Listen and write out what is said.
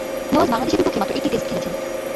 নেওয়াজ বাংলাদেশের বিপক্ষে মাত্র একটি টেস্ট খেলেছেন।